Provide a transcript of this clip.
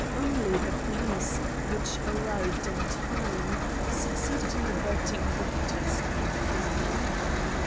Only the police, which arrived in time, succeeded in averting the catastrophe.